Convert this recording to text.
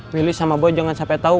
willy sama boy jangan sampai tau